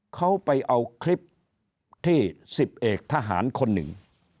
เขาไปเอาคลิปที่๑๐เอกทหารคนหนึ่ง